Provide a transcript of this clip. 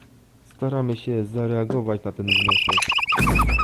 Staramy się zareagować na ten wniosek